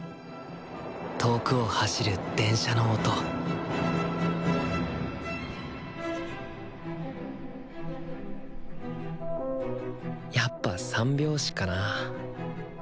遠くを走る電車の音やっぱ３拍子かなあ